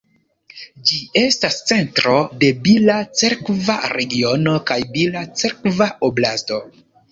Ĝi estas centro de Bila-Cerkva regiono kaj Bila-Cerkva oblasto.